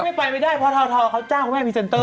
ไม่ไปไม่ได้เพราะททเขาจ้างคุณแม่พรีเซนเตอร์